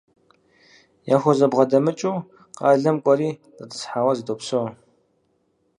Яхузэбгъэдэмыкӏыу къалэм кӏуэри дэтӏысхьауэ зэдопсэу.